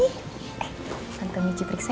eh tante michi periksa ya